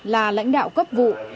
là lãnh đạo cấp vụ